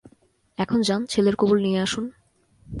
এখন যান, ছেলের কবুল নিয়ে আসুন!